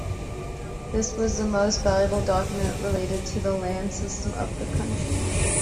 This was the most valuable document related to the land system of the country.